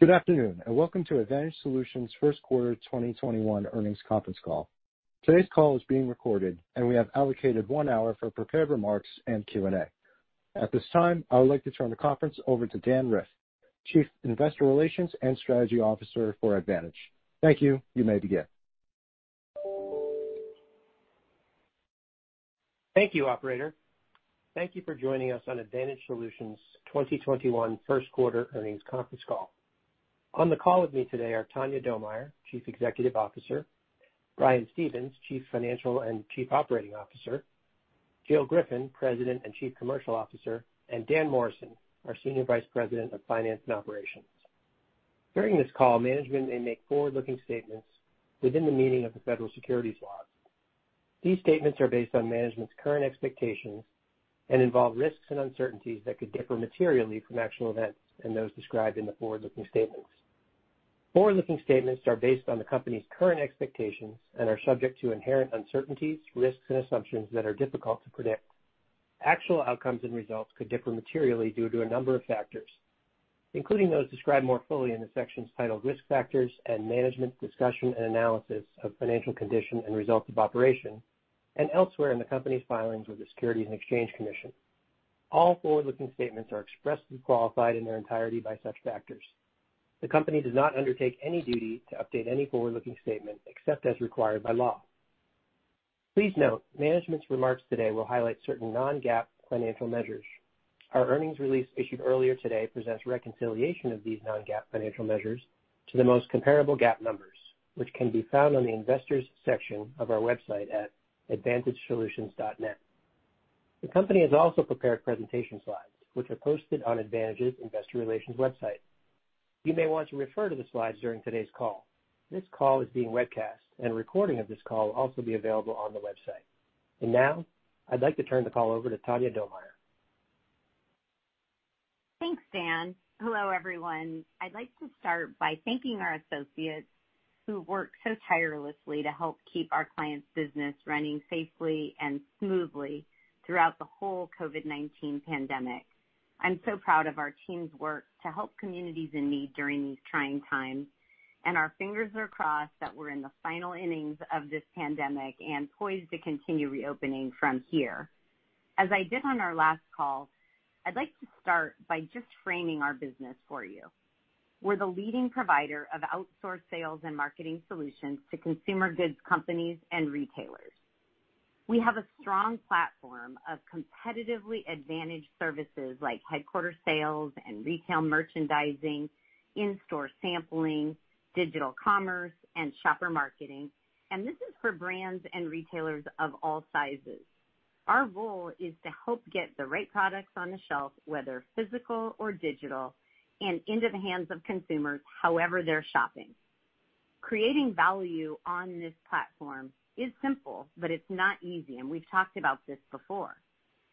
Good afternoon, welcome to Advantage Solutions' first quarter 2021 earnings conference call. Today's call is being recorded, we have allocated one hour for prepared remarks and Q&A. At this time, I would like to turn the conference over to Dan Riff, Chief Investor Relations and Strategy Officer for Advantage. Thank you. You may begin. Thank you, operator. Thank you for joining us on Advantage Solutions' 2021 first quarter earnings conference call. On the call with me today are Tanya Domier, Chief Executive Officer; Brian Stevens, Chief Financial Officer and Chief Operating Officer; Jill Griffin, President and Chief Commercial Officer; and Dan Morrison, our Senior Vice President of Finance and Operations. During this call, management may make forward-looking statements within the meaning of the federal securities laws. These statements are based on management's current expectations and involve risks and uncertainties that could differ materially from actual events and those described in the forward-looking statements. Forward-looking statements are based on the company's current expectations and are subject to inherent uncertainties, risks, and assumptions that are difficult to predict. Actual outcomes and results could differ materially due to a number of factors, including those described more fully in the sections titled Risk Factors and Management Discussion and Analysis of Financial Condition and Results of Operation, and elsewhere in the company's filings with the Securities and Exchange Commission. All forward-looking statements are expressly qualified in their entirety by such factors. The company does not undertake any duty to update any forward-looking statement except as required by law. Please note, management's remarks today will highlight certain non-GAAP financial measures. Our earnings release issued earlier today presents reconciliation of these non-GAAP financial measures to the most comparable GAAP numbers, which can be found on the investors section of our website at advantagesolutions.net. The company has also prepared presentation slides, which are posted on Advantage's investor relations website. You may want to refer to the slides during today's call. This call is being webcast, and a recording of this call will also be available on the website. Now, I'd like to turn the call over to Tanya Domier. Thanks, Dan. Hello, everyone. I'd like to start by thanking our associates who work so tirelessly to help keep our clients' business running safely and smoothly throughout the whole COVID-19 pandemic. I'm so proud of our team's work to help communities in need during these trying times, our fingers are crossed that we're in the final innings of this pandemic and poised to continue reopening from here. As I did on our last call, I'd like to start by just framing our business for you. We're the leading provider of outsourced sales and marketing solutions to consumer goods companies and retailers. We have a strong platform of competitively advantaged services like headquarter sales and retail merchandising, in-store sampling, digital commerce, and shopper marketing. This is for brands and retailers of all sizes. Our role is to help get the right products on the shelf, whether physical or digital, and into the hands of consumers however they're shopping. Creating value on this platform is simple, but it's not easy, and we've talked about this before.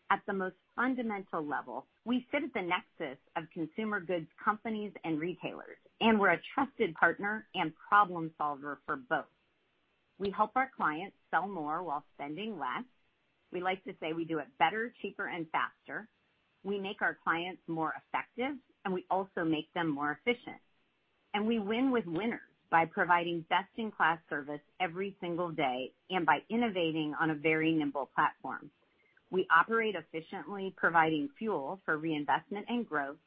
At the most fundamental level, we sit at the nexus of consumer goods companies and retailers, and we're a trusted partner and problem solver for both. We help our clients sell more while spending less. We like to say we do it better, cheaper, and faster. We make our clients more effective, and we also make them more efficient. We win with winners by providing best-in-class service every single day, and by innovating on a very nimble platform. We operate efficiently, providing fuel for reinvestment and growth,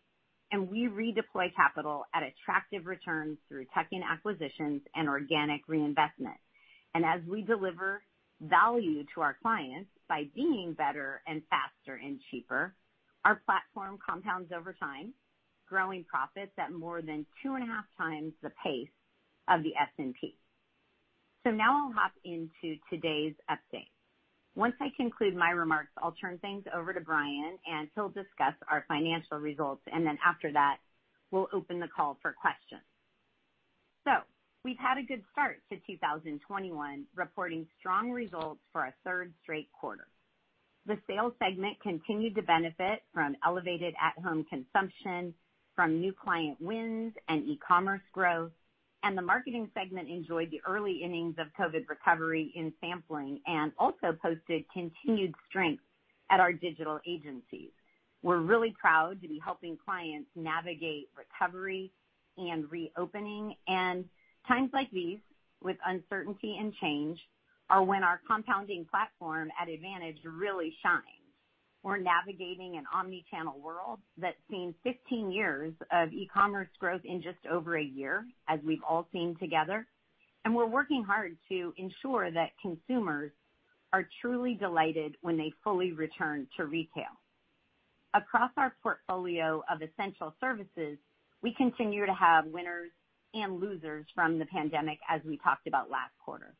and we redeploy capital at attractive returns through tech and acquisitions and organic reinvestment. As we deliver value to our clients by being better and faster and cheaper, our platform compounds over time, growing profits at more than two and a half times the pace of the S&P. Now I'll hop into today's update. Once I conclude my remarks, I'll turn things over to Brian and he'll discuss our financial results, and then after that, we'll open the call for questions. We've had a good start to 2021, reporting strong results for a third straight quarter. The sales segment continued to benefit from elevated at-home consumption from new client wins and e-commerce growth, and the marketing segment enjoyed the early innings of COVID recovery in sampling and also posted continued strength at our digital agencies. We're really proud to be helping clients navigate recovery and reopening. Times like these, with uncertainty and change, are when our compounding platform at Advantage really shines. We're navigating an omni-channel world that's seen 15 years of e-commerce growth in just over a year, as we've all seen together, and we're working hard to ensure that consumers are truly delighted when they fully return to retail. Across our portfolio of essential services, we continue to have winners and losers from the pandemic, as we talked about last quarter.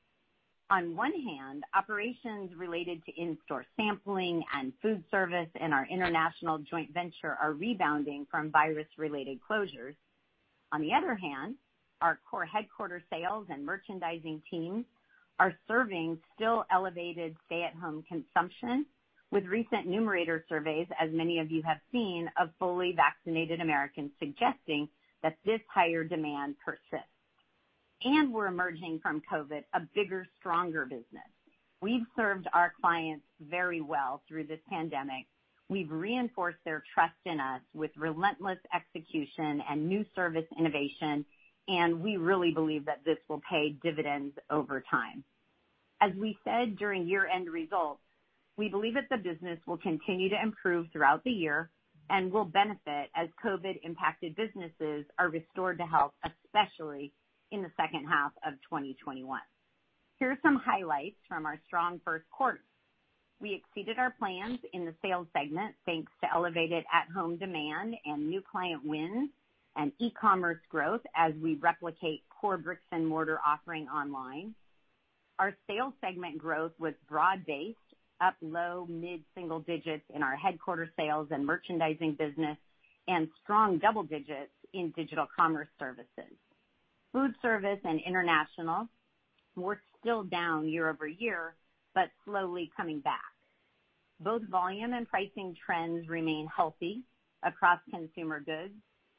On one hand, operations related to in-store sampling and food service and our international joint venture are rebounding from virus-related closures. On the other hand, our core headquarter sales and merchandising teams are serving still elevated stay-at-home consumption with recent Numerator surveys, as many of you have seen, of fully vaccinated Americans suggesting that this higher demand persists. We're emerging from COVID a bigger, stronger business. We've served our clients very well through this pandemic. We've reinforced their trust in us with relentless execution and new service innovation, and we really believe that this will pay dividends over time. As we said during year-end results, we believe that the business will continue to improve throughout the year and will benefit as COVID-impacted businesses are restored to health, especially in the second half of 2021. Here are some highlights from our strong first quarter. We exceeded our plans in the sales segment thanks to elevated at-home demand and new client wins and e-commerce growth as we replicate core bricks and mortar offering online. Our sales segment growth was broad-based, up low mid-single digits in our headquarters sales and merchandising business, and strong double digits in digital commerce services. Food service and international were still down year-over-year, but slowly coming back. Both volume and pricing trends remain healthy across consumer goods.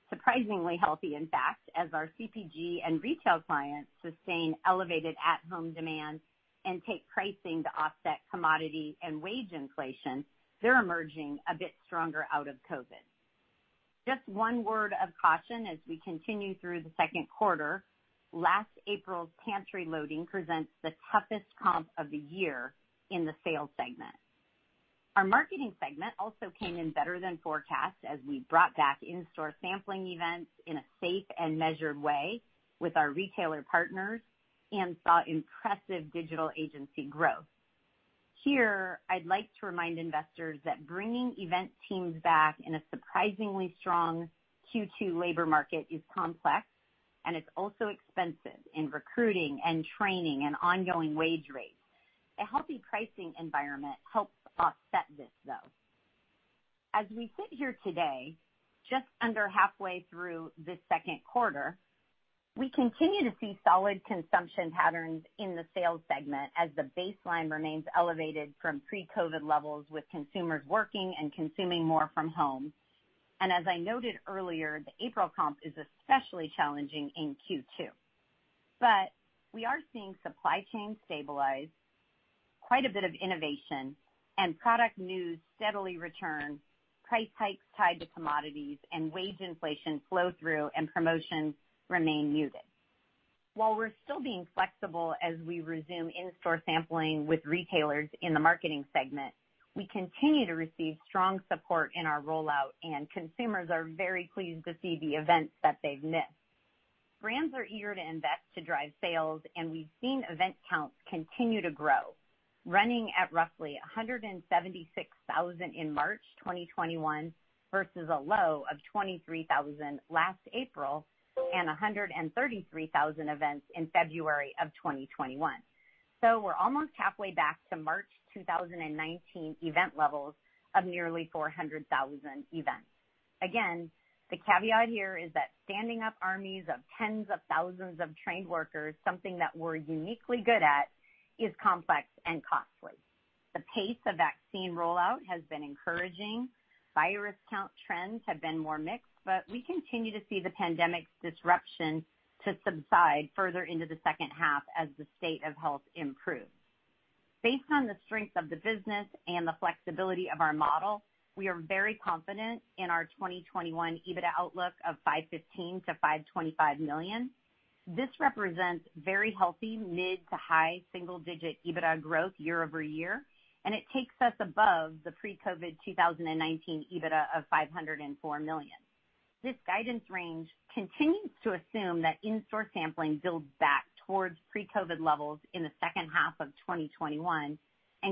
Surprisingly healthy, in fact, as our CPG and retail clients sustain elevated at-home demand and take pricing to offset commodity and wage inflation. They're emerging a bit stronger out of COVID. Just one word of caution as we continue through the second quarter. Last April's pantry loading presents the toughest comp of the year in the sales segment. Our marketing segment also came in better than forecast as we brought back in-store sampling events in a safe and measured way with our retailer partners and saw impressive digital agency growth. Here, I'd like to remind investors that bringing event teams back in a surprisingly strong Q2 labor market is complex, and it's also expensive in recruiting and training and ongoing wage rates. A healthy pricing environment helps offset this, though. As we sit here today, just under halfway through the second quarter, we continue to see solid consumption patterns in the sales segment as the baseline remains elevated from pre-COVID-19 levels with consumers working and consuming more from home. As I noted earlier, the April comp is especially challenging in Q2. We are seeing supply chain stabilize, quite a bit of innovation, and product news steadily return, price hikes tied to commodities and wage inflation flow through and promotions remain muted. While we're still being flexible as we resume in-store sampling with retailers in the marketing segment, we continue to receive strong support in our rollout, and consumers are very pleased to see the events that they've missed. Brands are eager to invest to drive sales, and we've seen event counts continue to grow, running at roughly 176,000 in March 2021 versus a low of 23,000 last April and 133,000 events in February of 2021. We're almost halfway back to March 2019 event levels of nearly 400,000 events. Again, the caveat here is that standing up armies of tens of thousands of trained workers, something that we're uniquely good at, is complex and costly. The pace of vaccine rollout has been encouraging. Virus count trends have been more mixed, but we continue to see the pandemic's disruption to subside further into the second half as the state of health improves. Based on the strength of the business and the flexibility of our model, we are very confident in our 2021 EBITDA outlook of $515 million-$525 million. This represents very healthy mid to high single-digit EBITDA growth year-over-year. It takes us above the pre-COVID-19 2019 EBITDA of $504 million. This guidance range continues to assume that in-store sampling builds back towards pre-COVID-19 levels in the second half of 2021.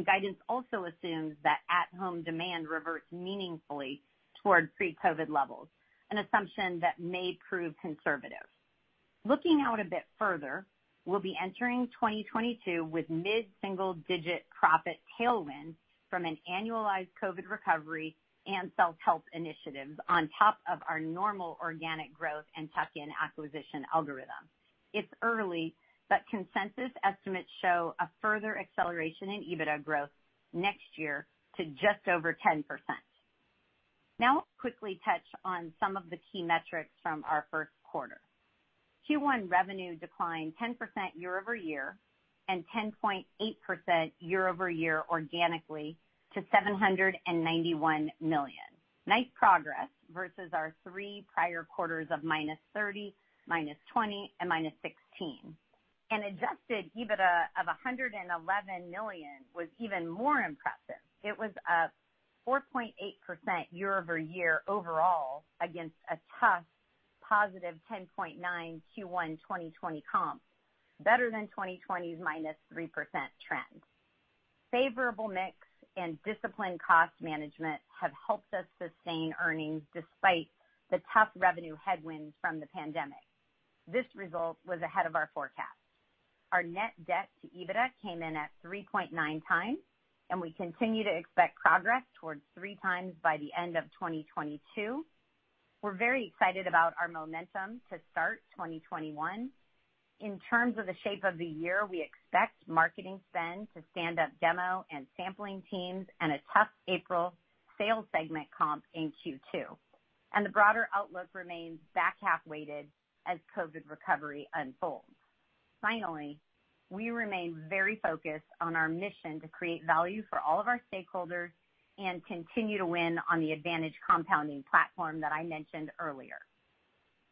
Guidance also assumes that at-home demand reverts meaningfully towards pre-COVID-19 levels, an assumption that may prove conservative. Looking out a bit further, we'll be entering 2022 with mid-single digit profit tailwind from an annualized COVID-19 recovery and self-help initiatives on top of our normal organic growth and tuck-in acquisition algorithm. It's early. Consensus estimates show a further acceleration in EBITDA growth next year to just over 10%. I'll quickly touch on some of the key metrics from our first quarter. Q1 revenue declined 10% year-over-year and 10.8% year-over-year organically to $791 million. Nice progress versus our three prior quarters of -30, -20, and -16. An adjusted EBITDA of $111 million was even more impressive. It was up 4.8% year-over-year overall against a tough positive 10.9% Q1 2020 comp, better than 2020's -3% trend. Favorable mix and disciplined cost management have helped us sustain earnings despite the tough revenue headwinds from the pandemic. This result was ahead of our forecast. Our net debt to EBITDA came in at 3.9x, and we continue to expect progress towards 3x by the end of 2022. We're very excited about our momentum to start 2021. In terms of the shape of the year, we expect marketing spend to stand up demo and sampling teams and a tough April sales segment comp in Q2. The broader outlook remains back-half weighted as COVID recovery unfolds. Finally, we remain very focused on our mission to create value for all of our stakeholders and continue to win on the Advantage compounding platform that I mentioned earlier.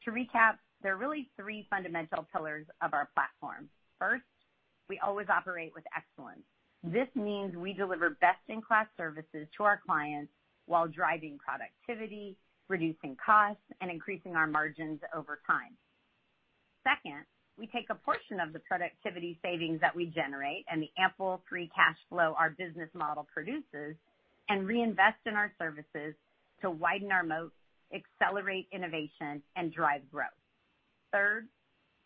To recap, there are really three fundamental pillars of our platform. First, we always operate with excellence. This means we deliver best-in-class services to our clients while driving productivity, reducing costs, and increasing our margins over time. Second, we take a portion of the productivity savings that we generate and the ample free cash flow our business model produces and reinvest in our services to widen our moat, accelerate innovation, and drive growth. Third,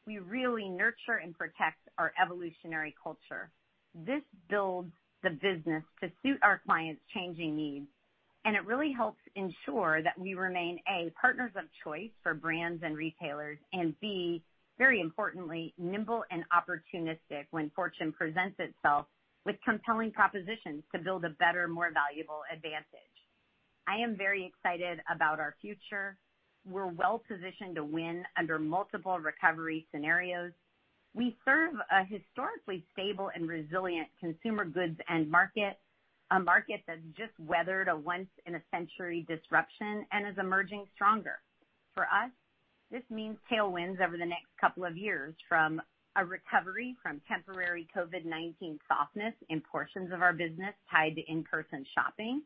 we really nurture and protect our evolutionary culture. This builds the business to suit our clients' changing needs, and it really helps ensure that we remain, A, partners of choice for brands and retailers. B, very importantly, nimble and opportunistic when fortune presents itself with compelling propositions to build a better, more valuable Advantage. I am very excited about our future. We're well-positioned to win under multiple recovery scenarios. We serve a historically stable and resilient consumer goods end market, a market that's just weathered a once-in-a-century disruption and is emerging stronger. For us, this means tailwinds over the next couple of years from a recovery from temporary COVID-19 softness in portions of our business tied to in-person shopping,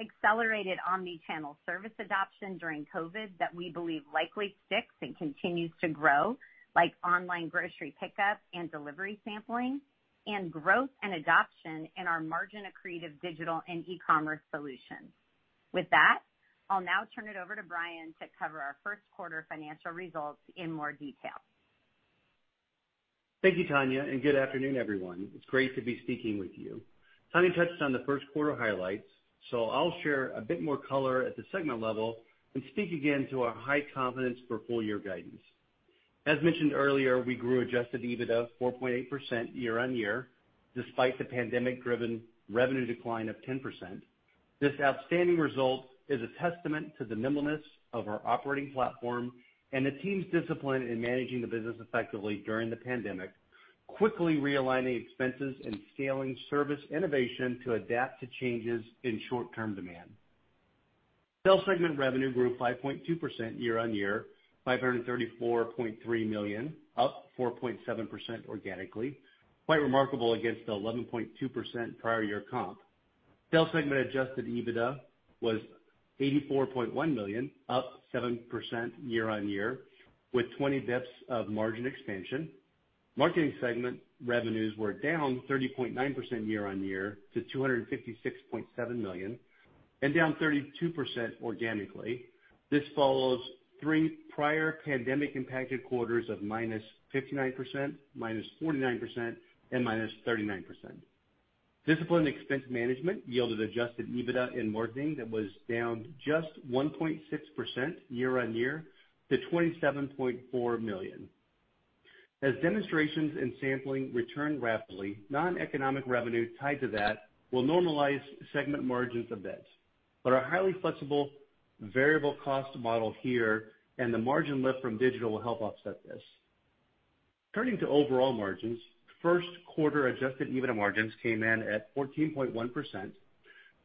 accelerated omni-channel service adoption during COVID that we believe likely sticks and continues to grow, like online grocery pickup and delivery sampling, and growth and adoption in our margin-accretive digital and e-commerce solutions. With that, I'll now turn it over to Brian to cover our first quarter financial results in more detail. Thank you, Tanya, and good afternoon, everyone. It's great to be speaking with you. Tanya touched on the first quarter highlights, so I'll share a bit more color at the segment level and speak again to our high confidence for full-year guidance. As mentioned earlier, we grew Adjusted EBITDA 4.8% year-on-year, despite the pandemic-driven revenue decline of 10%. This outstanding result is a testament to the nimbleness of our operating platform and the team's discipline in managing the business effectively during the pandemic, quickly realigning expenses and scaling service innovation to adapt to changes in short-term demand. Sales Segment revenue grew 5.2% year-on-year, $534.3 million, up 4.7% organically, quite remarkable against the 11.2% prior year comp. Sales Segment Adjusted EBITDA was $84.1 million, up 7% year-on-year, with 20 basis points of margin expansion. Marketing Segment revenues were down 30.9% year-on-year to $256.7 million and down 32% organically. This follows three prior pandemic impacted quarters of -59%, -49%, and -39%. Disciplined expense management yielded Adjusted EBITDA in marketing that was down just 1.6% year-on-year to $27.4 million. As demonstrations and sampling return rapidly, non-economic revenue tied to that will normalize segment margins a bit. Our highly flexible variable cost model here and the margin lift from digital will help offset this. Turning to overall margins, first quarter Adjusted EBITDA margins came in at 14.1%,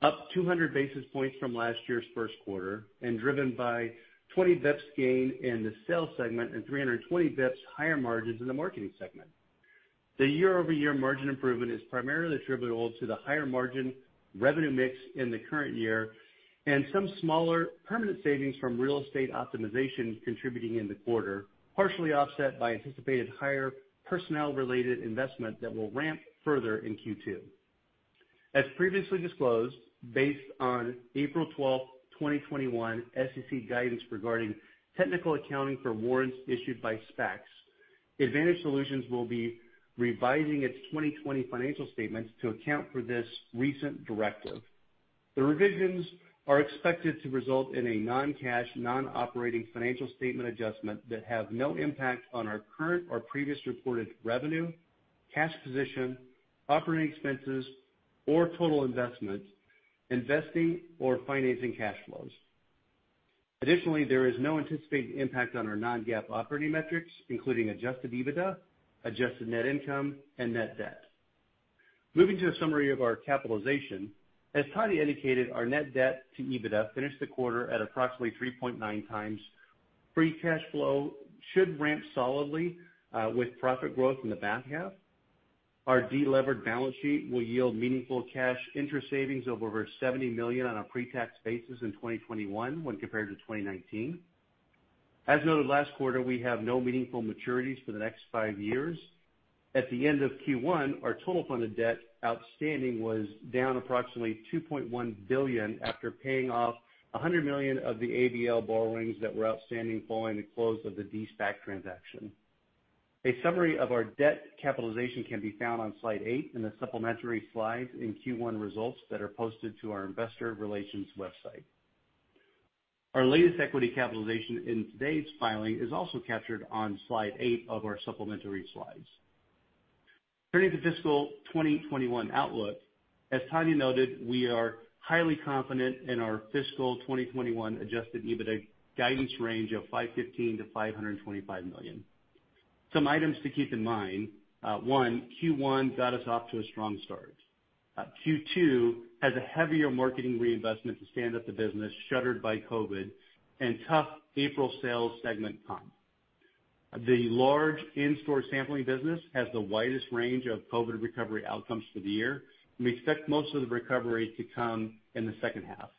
up 200 basis points from last year's first quarter and driven by 20 basis points gain in the sales segment and 320 basis points higher margins in the marketing segment. The year-over-year margin improvement is primarily attributable to the higher margin revenue mix in the current year and some smaller permanent savings from real estate optimization contributing in the quarter, partially offset by anticipated higher personnel-related investment that will ramp further in Q2. As previously disclosed, based on April 12th, 2021, SEC guidance regarding technical accounting for warrants issued by SPACs, Advantage Solutions will be revising its 2020 financial statements to account for this recent directive. The revisions are expected to result in a non-cash, non-operating financial statement adjustment that have no impact on our current or previous reported revenue, cash position, operating expenses or total investment, investing or financing cash flows. Additionally, there is no anticipated impact on our non-GAAP operating metrics, including Adjusted EBITDA, adjusted net income and net debt. Moving to a summary of our capitalization. As Tanya indicated, our net debt to EBITDA finished the quarter at approximately 3.9 times. Free cash flow should ramp solidly with profit growth in the back half. Our de-levered balance sheet will yield meaningful cash interest savings of over $70 million on a pre-tax basis in 2021 when compared to 2019. As noted last quarter, we have no meaningful maturities for the next five years. At the end of Q1, our total funded debt outstanding was down approximately $2.1 billion after paying off $100 million of the ABL borrowings that were outstanding following the close of the de-SPAC transaction. A summary of our debt capitalization can be found on slide eight in the supplementary slides in Q1 results that are posted to our investor relations website. Our latest equity capitalization in today's filing is also captured on slide eight of our supplementary slides. Turning to fiscal 2021 outlook, as Tanya noted, we are highly confident in our fiscal 2021 Adjusted EBITDA guidance range of $515 million-$525 million. Some items to keep in mind. One, Q1 got us off to a strong start. Q2 has a heavier marketing reinvestment to stand up the business shuttered by COVID-19 and tough April sales segment comp. The large in-store sampling business has the widest range of COVID-19 recovery outcomes for the year, and we expect most of the recovery to come in the second half.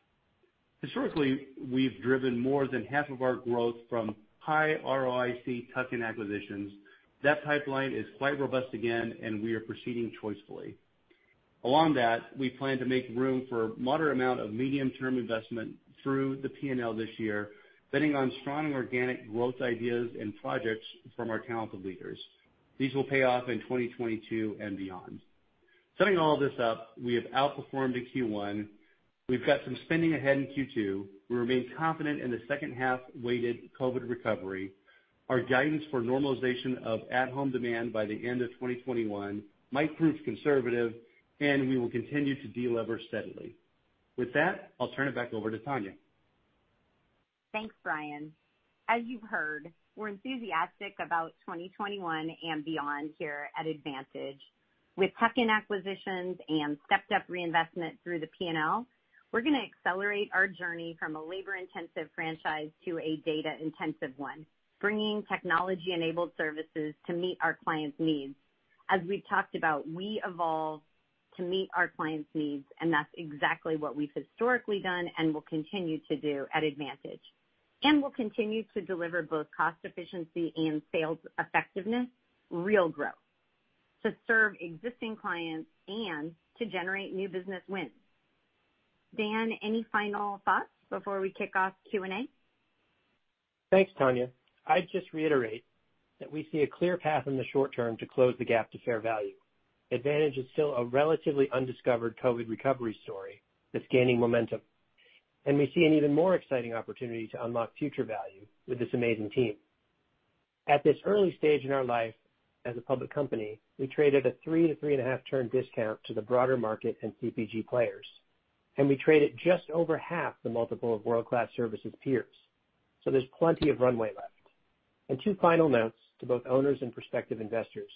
Historically, we've driven more than half of our growth from high ROIC tuck-in acquisitions. That pipeline is quite robust again, and we are proceeding choicefully. Along that, we plan to make room for a moderate amount of medium-term investment through the P&L this year, betting on strong organic growth ideas and projects from our talented leaders. These will pay off in 2022 and beyond. Summing all this up, we have outperformed in Q1. We've got some spending ahead in Q2. We remain confident in the second half-weighted COVID-19 recovery. Our guidance for normalization of at-home demand by the end of 2021 might prove conservative, and we will continue to de-lever steadily. With that, I'll turn it back over to Tanya. Thanks, Brian. As you've heard, we're enthusiastic about 2021 and beyond here at Advantage. With tuck-in acquisitions and stepped-up reinvestment through the P&L, we're going to accelerate our journey from a labor-intensive franchise to a data-intensive one, bringing technology-enabled services to meet our clients' needs. As we've talked about, we evolve to meet our clients' needs, and that's exactly what we've historically done and will continue to do at Advantage. We'll continue to deliver both cost efficiency and sales effectiveness, real growth to serve existing clients and to generate new business wins. Dan, any final thoughts before we kick off Q&A? Thanks, Tanya. I'd just reiterate that we see a clear path in the short term to close the gap to fair value. Advantage is still a relatively undiscovered COVID recovery story that's gaining momentum, and we see an even more exciting opportunity to unlock future value with this amazing team. At this early stage in our life as a public company, we trade at a three to three and a half turn discount to the broader market and CPG players. We trade at just over half the multiple of world-class services peers. There's plenty of runway left. Two final notes to both owners and prospective investors.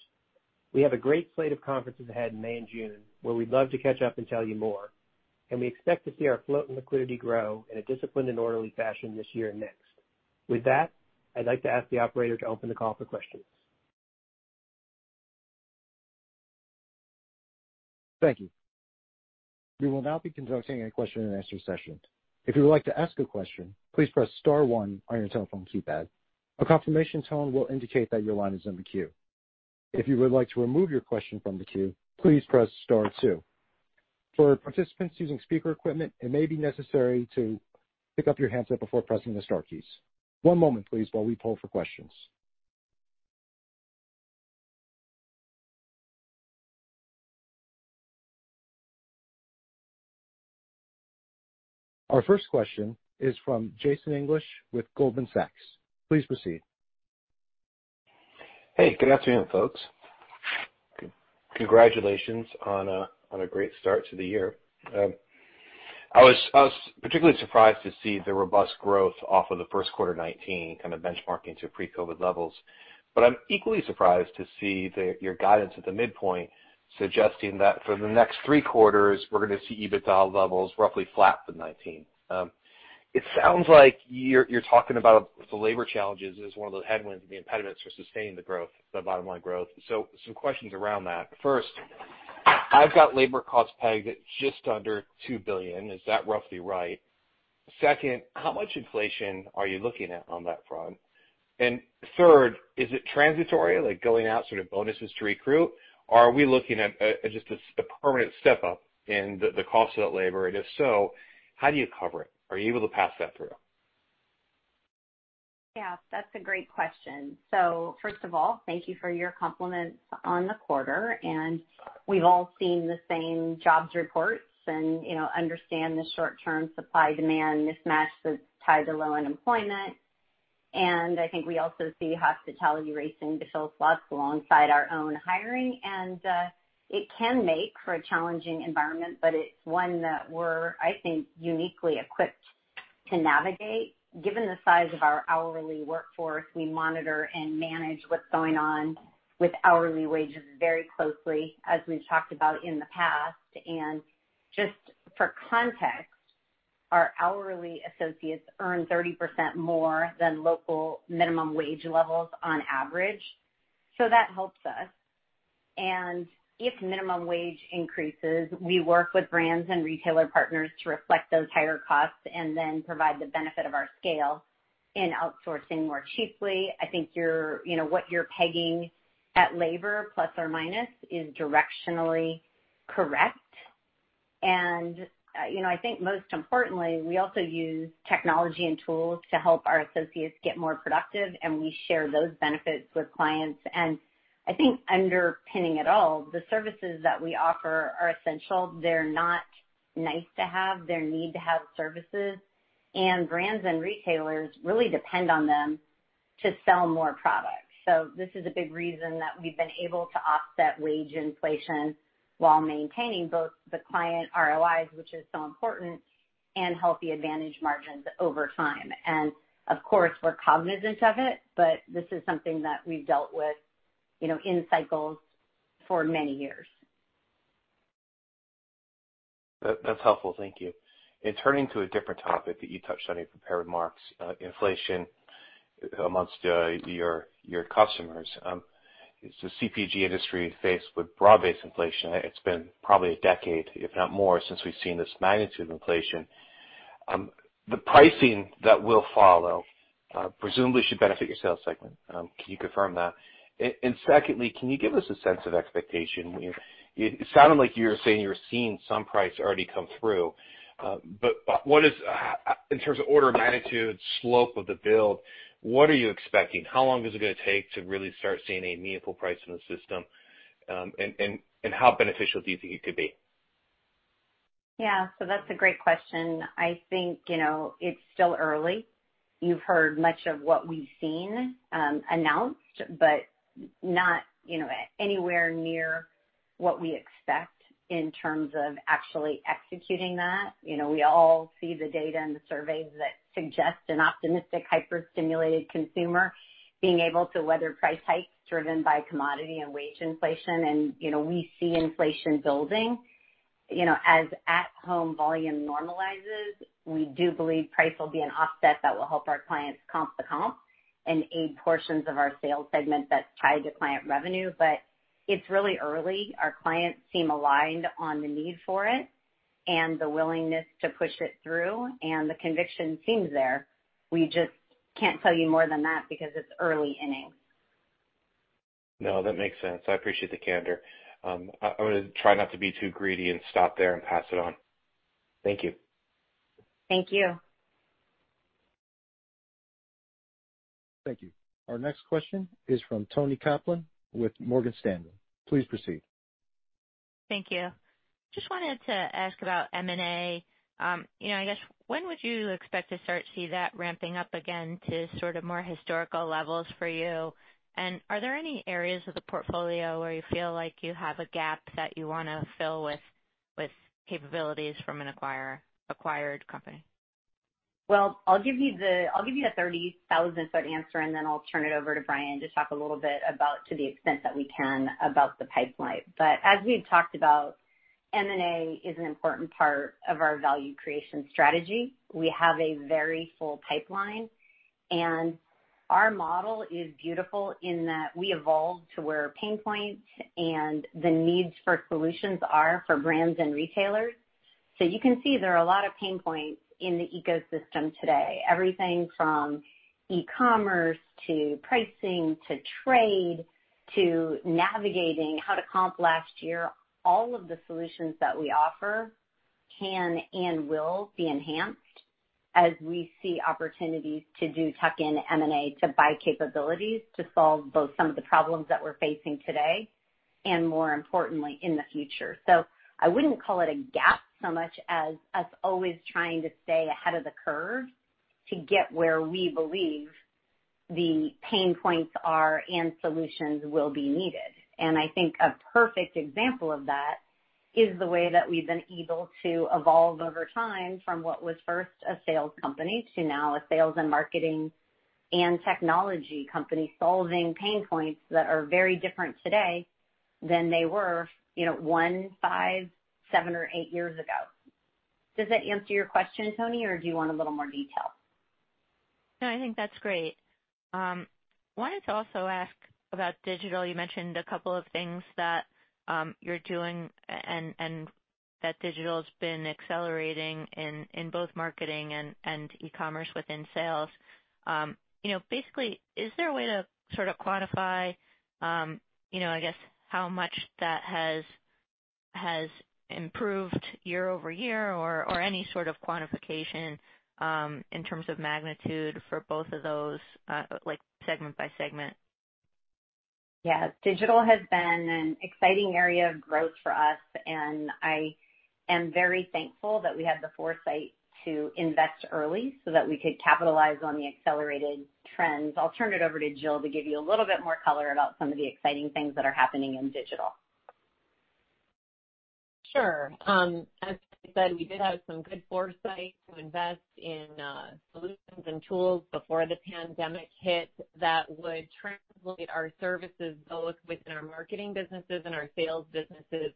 We have a great slate of conferences ahead in May and June, where we'd love to catch up and tell you more, and we expect to see our float and liquidity grow in a disciplined and orderly fashion this year and next. With that, I'd like to ask the operator to open the call for questions. Thank you. We will now be conducting a question and answer session. If you would like to ask a question, please press star one on your telephone keypad. A confirmation tone will indicate that your line is in the queue. If you would like to remove your question from the queue, please press star two. For participants using speaker equipment, it may be necessary to pick up your handset before pressing the star keys. One moment, please, while we poll for questions. Our first question is from Jason English with Goldman Sachs. Please proceed. Hey, good afternoon, folks. Congratulations on a great start to the year. I was particularly surprised to see the robust growth off of the first quarter 2019 kind of benchmarking to pre-COVID-19 levels. I'm equally surprised to see your guidance at the midpoint suggesting that for the next three quarters, we're going to see EBITDA levels roughly flat for 2019. It sounds like you're talking about the labor challenges as one of the headwinds and the impediments for sustaining the growth, the bottom line growth. Some questions around that. First, I've got labor costs pegged at just under $2 billion. Is that roughly right? Second, how much inflation are you looking at on that front? Third, is it transitory, like going out sort of bonuses to recruit? Are we looking at just a permanent step up in the cost of that labor? If so, how do you cover it? Are you able to pass that through? Yeah, that's a great question. First of all, thank you for your compliments on the quarter. We've all seen the same jobs reports and understand the short-term supply-demand mismatch that's tied to low unemployment. I think we also see hospitality racing to fill slots alongside our own hiring, and it can make for a challenging environment, but it's one that we're, I think, uniquely equipped to navigate. Given the size of our hourly workforce, we monitor and manage what's going on with hourly wages very closely, as we've talked about in the past. Just for context, our hourly associates earn 30% more than local minimum wage levels on average. That helps us. If minimum wage increases, we work with brands and retailer partners to reflect those higher costs and then provide the benefit of our scale in outsourcing more cheaply. I think what you're pegging at labor, plus or minus, is directionally correct. I think most importantly, we also use technology and tools to help our associates get more productive, and we share those benefits with clients. I think underpinning it all, the services that we offer are essential. They're not nice to have. They're need to have services. brands and retailers really depend on them. To sell more product. this is a big reason that we've been able to offset wage inflation while maintaining both the client ROIs, which is so important, and healthy Advantage margins over time. of course, we're cognizant of it, but this is something that we've dealt with in cycles for many years. That's helpful. Thank you. In turning to a different topic that you touched on in prepared remarks, inflation amongst your customers. As the CPG industry faced with broad-based inflation, it's been probably a decade, if not more, since we've seen this magnitude of inflation. The pricing that will follow presumably should benefit your sales segment. Can you confirm that? Secondly, can you give us a sense of expectation? It sounded like you were saying you were seeing some price already come through. In terms of order of magnitude, slope of the build, what are you expecting? How long is it going to take to really start seeing a meaningful price in the system? How beneficial do you think it could be? Yeah. That's a great question. I think it's still early. You've heard much of what we've seen announced, but not anywhere near what we expect in terms of actually executing that. We all see the data and the surveys that suggest an optimistic, hyper-stimulated consumer being able to weather price hikes driven by commodity and wage inflation. We see inflation building. As at-home volume normalizes, we do believe price will be an offset that will help our clients comp to comp and aid portions of our sales segment that's tied to client revenue. It's really early. Our clients seem aligned on the need for it and the willingness to push it through, and the conviction seems there. We just can't tell you more than that because it's early innings. No, that makes sense. I appreciate the color. I'm going to try not to be too greedy and stop there and pass it on. Thank you. Thank you. Thank you. Our next question is from Toni Kaplan with Morgan Stanley. Please proceed. Thank you. Just wanted to ask about M&A. I guess, when would you expect to start to see that ramping up again to sort of more historical levels for you? Are there any areas of the portfolio where you feel like you have a gap that you want to fill with capabilities from an acquired company? Well, I'll give you the 30,000-foot answer, and then I'll turn it over to Brian to talk a little bit about, to the extent that we can, about the pipeline. As we've talked about, M&A is an important part of our value creation strategy. We have a very full pipeline, and our model is beautiful in that we evolve to where pain points and the needs for solutions are for brands and retailers. You can see there are a lot of pain points in the ecosystem today. Everything from e-commerce to pricing, to trade, to navigating how to comp last year. All of the solutions that we offer can and will be enhanced as we see opportunities to do tuck-in M&A, to buy capabilities to solve both some of the problems that we're facing today, and more importantly, in the future. I wouldn't call it a gap so much as us always trying to stay ahead of the curve to get where we believe the pain points are and solutions will be needed. I think a perfect example of that is the way that we've been able to evolve over time from what was first a sales company to now a sales and marketing and technology company solving pain points that are very different today than they were one, five, seven, or eight years ago. Does that answer your question, Toni, or do you want a little more detail? No, I think that's great. I wanted to also ask about digital. You mentioned a couple of things that you're doing and that digital's been accelerating in both marketing and e-commerce within sales. Basically, is there a way to sort of quantify, I guess, how much that has improved year-over-year or any sort of quantification in terms of magnitude for both of those segment by segment? Digital has been an exciting area of growth for us, and I am very thankful that we had the foresight to invest early so that we could capitalize on the accelerated trends. I'll turn it over to Jill to give you a little bit more color about some of the exciting things that are happening in digital. Sure. As we said, we did have some good foresight to invest in solutions and tools before the pandemic hit that would translate our services, both within our marketing businesses and our sales businesses,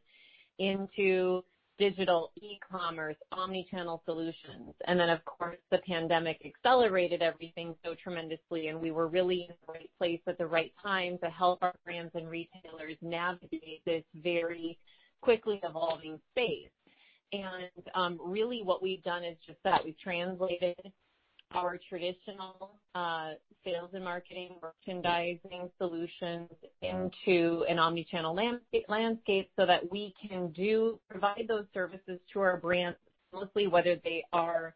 into digital e-commerce, omni-channel solutions. Of course, the pandemic accelerated everything so tremendously, and we were really in the right place at the right time to help our brands and retailers navigate this very quickly evolving space. Really what we've done is just that. We've translated our traditional sales and marketing merchandising solutions into an omni-channel landscape so that we can do provide those services to our brands seamlessly, whether they are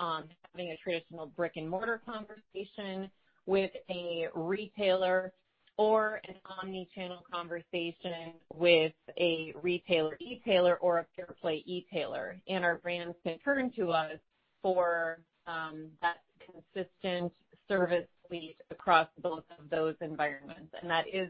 having a traditional brick and mortar conversation with a retailer or an omni-channel conversation with a retailer, e-tailer, or a pure-play e-tailer. Our brands can turn to us for that consistent service suite across both of those environments. That is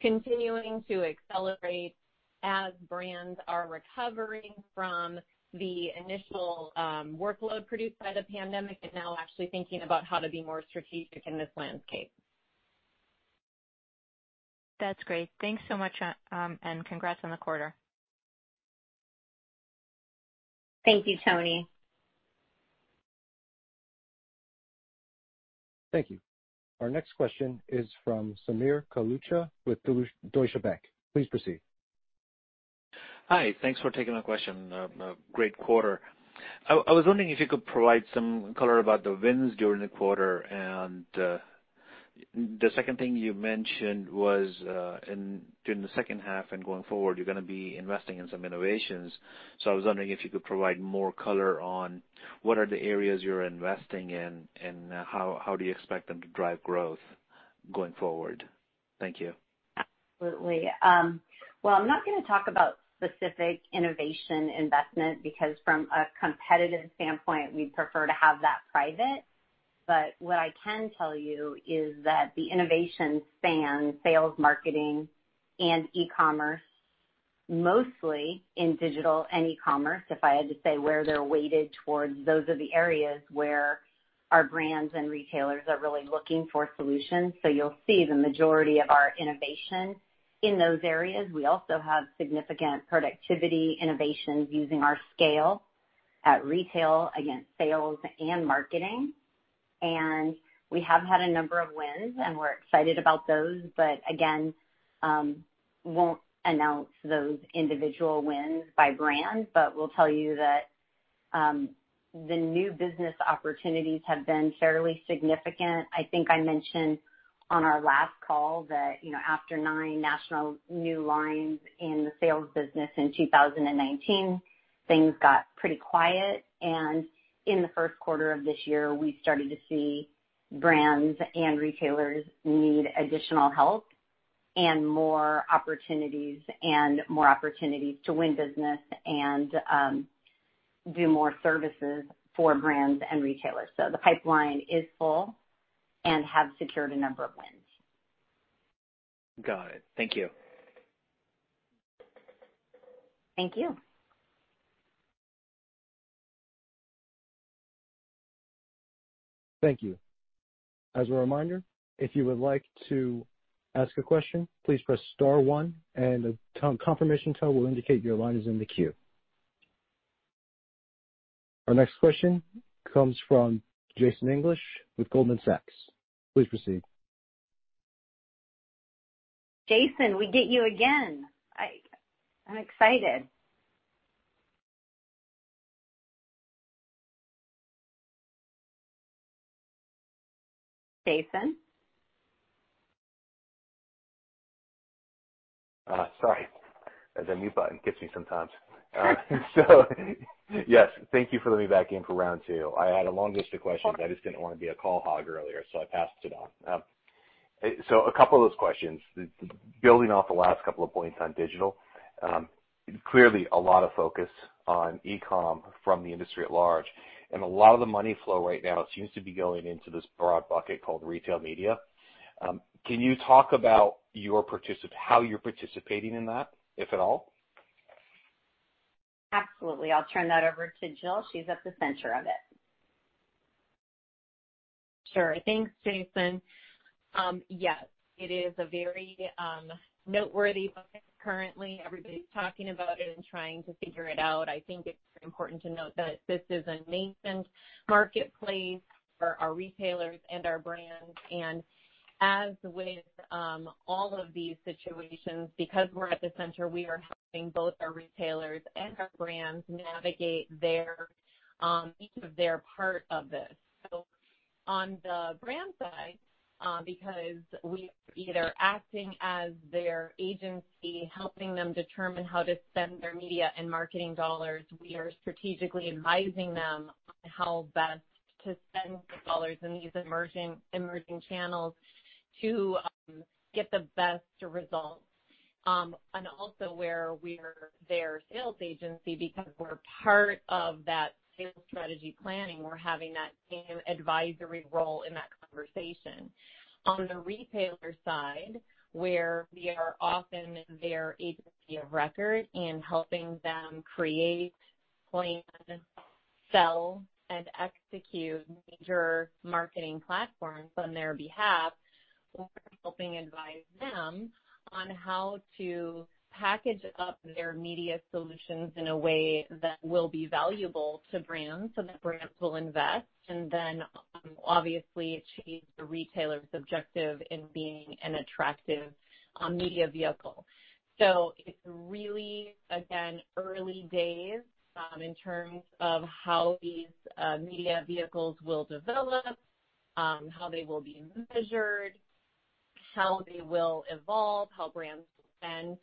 continuing to accelerate as brands are recovering from the initial workload produced by the pandemic and now actually thinking about how to be more strategic in this landscape. That's great. Thanks so much, and congrats on the quarter. Thank you, Toni. Thank you. Our next question is from Sameer Kalucha with Deutsche Bank. Please proceed. Hi, thanks for taking my question. A great quarter. I was wondering if you could provide some color about the wins during the quarter. The second thing you mentioned was, during the second half and going forward, you're going to be investing in some innovations. I was wondering if you could provide more color on what are the areas you're investing in, and how do you expect them to drive growth going forward? Thank you. Absolutely. I'm not going to talk about specific innovation investment because from a competitive standpoint, we'd prefer to have that private. What I can tell you is that the innovation spans sales, marketing, and e-commerce, mostly in digital and e-commerce. If I had to say where they're weighted towards, those are the areas where our brands and retailers are really looking for solutions. You'll see the majority of our innovation in those areas. We also have significant productivity innovations using our scale at retail, again, sales and marketing. We have had a number of wins, and we're excited about those. Again, won't announce those individual wins by brand, but we'll tell you that the new business opportunities have been fairly significant. I think I mentioned on our last call that after nine national new lines in the sales business in 2019, things got pretty quiet. In the first quarter of this year, we've started to see brands and retailers need additional help and more opportunities, and more opportunities to win business and do more services for brands and retailers. The pipeline is full and have secured a number of wins. Got it. Thank you. Thank you. Thank you. As a reminder, if you would like to ask a question, please press star one and a confirmation tone will indicate your line is in the queue. Our next question comes from Jason English with Goldman Sachs. Please proceed. Jason, we get you again. I'm excited. Jason? Sorry. That mute button gets me sometimes. Yes, thank you for letting me back in for round two. I had a long list of questions. I just didn't want to be a call hog earlier, so I passed it on. A couple of those questions. Building off the last couple of points on digital. Clearly a lot of focus on e-commerce from the industry at large, and a lot of the money flow right now seems to be going into this broad bucket called retail media. Can you talk about how you're participating in that, if at all? Absolutely. I'll turn that over to Jill. She's at the center of it. Sure. Thanks, Jason. Yes, it is a very noteworthy bucket currently. Everybody's talking about it and trying to figure it out. I think it's important to note that this is a nascent marketplace for our retailers and our brands. As with all of these situations, because we're at the center, we are helping both our retailers and our brands navigate each of their part of this. On the brand side, because we are either acting as their agency, helping them determine how to spend their media and marketing dollars, we are strategically advising them on how best to spend the dollars in these emerging channels to get the best results. Also where we're their sales agency, because we're part of that sales strategy planning, we're having that same advisory role in that conversation. On the retailer side, where we are often their agency of record in helping them create, plan, sell, and execute major marketing platforms on their behalf. We're helping advise them on how to package up their media solutions in a way that will be valuable to brands so that brands will invest, and then obviously achieve the retailer's objective in being an attractive media vehicle. It's really, again, early days in terms of how these media vehicles will develop, how they will be measured, how they will evolve, how brands will spend.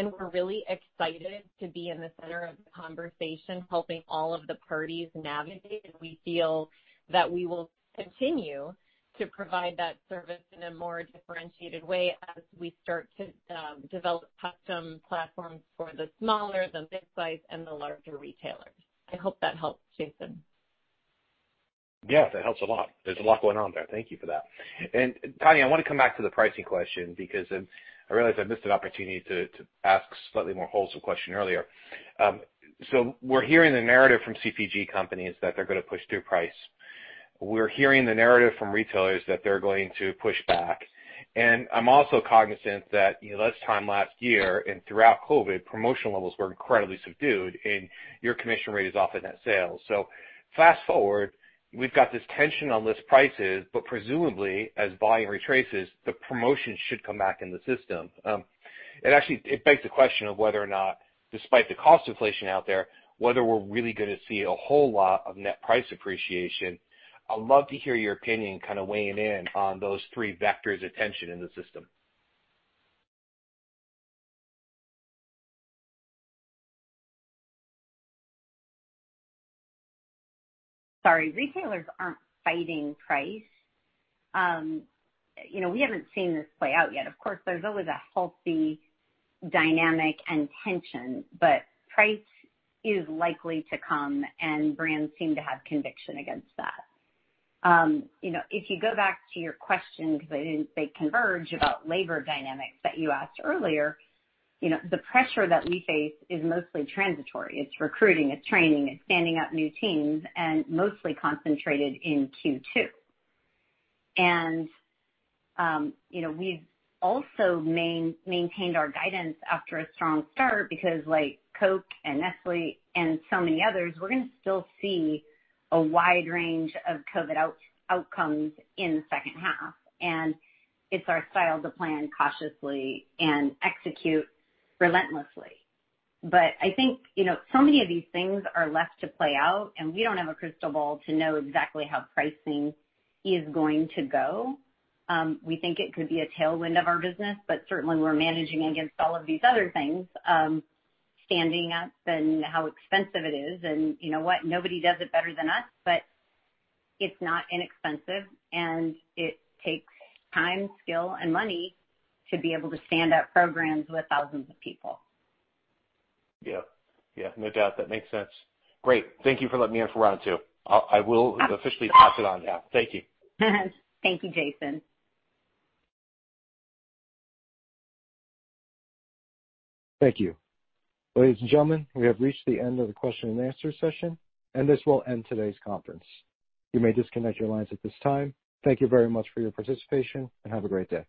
We're really excited to be in the center of the conversation, helping all of the parties navigate. We feel that we will continue to provide that service in a more differentiated way as we start to develop custom platforms for the smaller, the mid-size, and the larger retailers. I hope that helps, Jason. Yes, that helps a lot. There's a lot going on there. Thank you for that. Tanya, I want to come back to the pricing question because I realized I missed an opportunity to ask slightly more wholesome question earlier. We're hearing the narrative from CPG companies that they're going to push through price. We're hearing the narrative from retailers that they're going to push back. I'm also cognizant that this time last year and throughout COVID-19, promotional levels were incredibly subdued, and your commission rate is off of net sales. Fast-forward, we've got this tension on list prices, but presumably as volume retraces, the promotions should come back in the system. It begs the question of whether or not, despite the cost inflation out there, whether we're really going to see a whole lot of net price appreciation. I would love to hear your opinion kind of weighing in on those three vectors of tension in the system. Sorry, retailers aren't fighting price. We haven't seen this play out yet. Of course, there's always a healthy dynamic and tension, but price is likely to come, and brands seem to have conviction against that. If you go back to your question, because I didn't converge about labor dynamics that you asked earlier, the pressure that we face is mostly transitory. It's recruiting, it's training, it's standing up new teams, and mostly concentrated in Q2. We've also maintained our guidance after a strong start because like Coke and Nestlé and so many others, we're going to still see a wide range of COVID outcomes in the second half. It's our style to plan cautiously and execute relentlessly. I think so many of these things are left to play out, and we don't have a crystal ball to know exactly how pricing is going to go. We think it could be a tailwind of our business, but certainly, we're managing against all of these other things, standing up and how expensive it is. You know what? Nobody does it better than us, but it's not inexpensive, and it takes time, skill, and money to be able to stand up programs with thousands of people. Yeah. No doubt. That makes sense. Great. Thank you for letting me in for round two. I will officially pass it on now. Thank you. Thank you, Jason. Thank you. Ladies and gentlemen, we have reached the end of the question and answer session. This will end today's conference. You may disconnect your lines at this time. Thank you very much for your participation, have a great day.